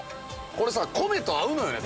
これさ米と合うのよね